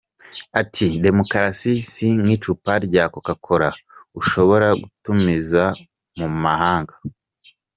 Ati “Demokarasi si nk’icupa rya Coca-Cola ushobora gutumiza mu mahanga.